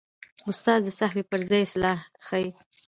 استاد د سهوو پر ځای اصلاح ښيي.